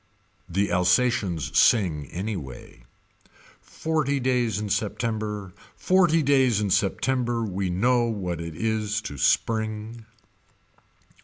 The Alsations sing anyway. Forty days in September. Forty days in September we know what it is to spring.